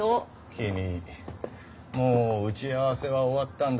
君もう打ち合わせは終わったんだ。